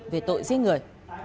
về tội giết người